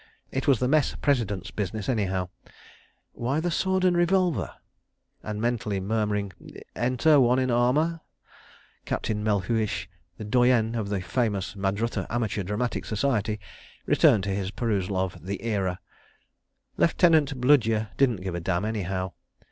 It was the Mess President's business, anyhow. ... Why the sword and revolver? And mentally murmuring: "Enter—one in armour," Captain Melhuish, the doyen of the famous Madrutta Amateur Dramatic Society, returned to his perusal of The Era. .. Lieutenant Bludyer didn't give a damn, anyhow.